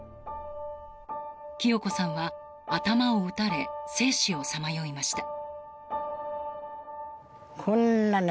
きよ子さんは頭を撃たれ生死をさまよいました。